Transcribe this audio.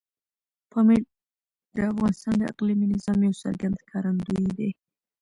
پامیر د افغانستان د اقلیمي نظام یو څرګند ښکارندوی دی.